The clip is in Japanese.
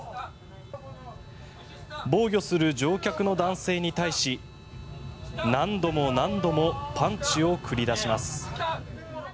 防御する乗客の男性に対し何度も何度もパンチを繰り出します。